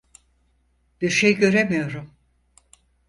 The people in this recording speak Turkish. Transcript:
Birşey göremiyorum.